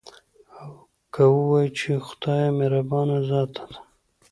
او که ووايو، چې خدايه مهربانه ذاته ده